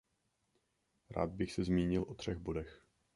Rád bych se zmínil o třech bodech.